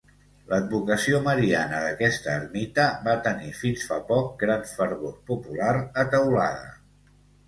L'advocació mariana d'aquesta ermita va tenir fins fa poc gran fervor popular a Teulada.